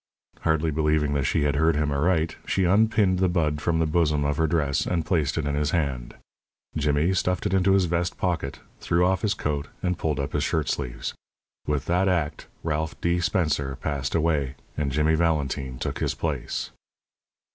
Hardly believing that she heard him aright, she unpinned the bud from the bosom of her dress, and placed it in his hand. Jimmy stuffed it into his vest pocket, threw off his coat and pulled up his shirt sleeves. With that act Ralph D. Spencer passed away and Jimmy Valentine took his place.